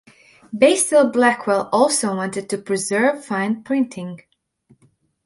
Basil Blackwell also wanted to preserve fine printing.